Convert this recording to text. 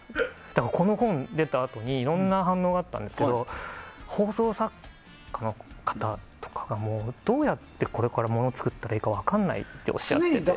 この本が出たあとに反響があったんですけど放送作家の方とかはどうやって、これから物を作ったらいいか分からないっておっしゃってて。